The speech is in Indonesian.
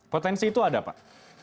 potensi itu ada pak